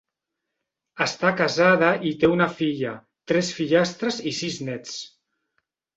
Està casada i té una filla, tres fillastres i sis néts.